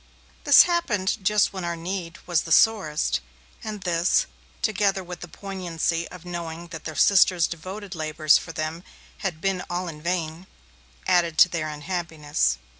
This happened just when our need was the sorest, and this, together with the poignancy of knowing that their sister's devoted labours for them had been all in vain, added to their unhappiness.